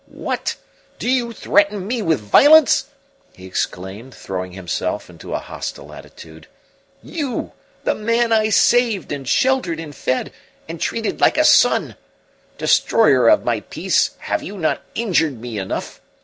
"What, do you threaten me with violence?" he exclaimed, throwing himself into a hostile attitude. "You, the man I saved, and sheltered, and fed, and treated like a son! Destroyer of my peace, have you not injured me enough?